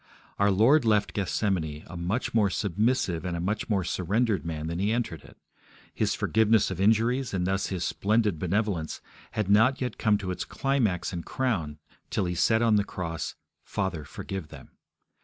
Our Lord left Gethsemane a much more submissive and a much more surrendered man than He entered it. His forgiveness of injuries, and thus His splendid benevolence, had not yet come to its climax and crown till He said on the cross, 'Father, forgive them'.